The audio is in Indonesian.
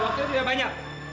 waktunya tidak banyak